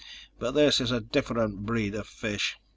But this is a different breed of fish.